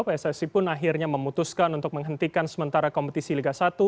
pssi pun akhirnya memutuskan untuk menghentikan sementara kompetisi liga satu